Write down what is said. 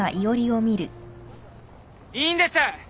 いいんです！